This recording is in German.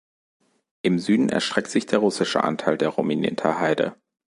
Im Süden erstreckt sich der russische Anteil der Rominter Heide.